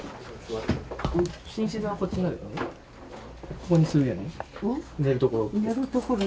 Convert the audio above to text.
ここにするよね。